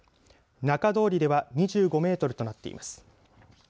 中通りでは２５メートルとなっています。